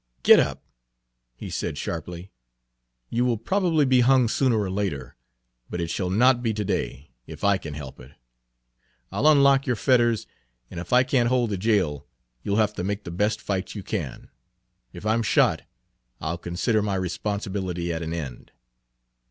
"Get up," he said sharply. "You will probably be hung sooner or later, but it shall not be to day, if I can help it. I 'll unlock your fetters, and if I can't hold the jail, you 'll Page 78 have to make the best fight you can. If I'm shot, I'll consider my responsibility at an end."